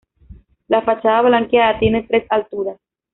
La fachada blanqueada tiene tres alturas.